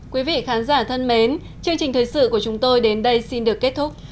quý vị khán giả thân mến chương trình thời sự của chúng tôi đến đây xin được kết thúc